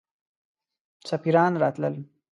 سفیران راتلل.